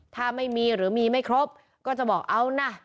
ถ้าไม่มีหรือมีไม่ครบก็จะบอกเอานะ